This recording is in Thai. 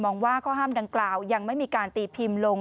ว่าข้อห้ามดังกล่าวยังไม่มีการตีพิมพ์ลง